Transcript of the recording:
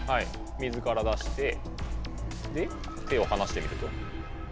水から出してで手を離してみると。